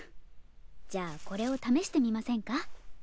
じゃあこれを試してみませんか？